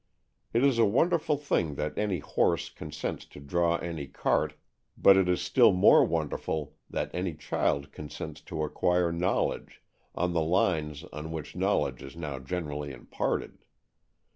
It is a wonderful thing that any horse consents to draw any cart, but it is still more wonderful that any child consents to acquire knowledge, on the lines on which knowledge is now generally imparted.